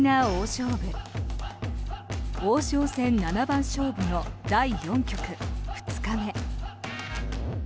王将戦七番勝負の第４局２日目。